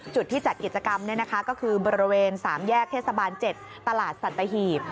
จุดที่จัดกิจกรรมก็คือบริเวณ๓แยกเทศบาล๗ตลาดสัตหีบ